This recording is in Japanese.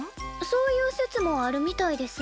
そういう説もあるみたいです。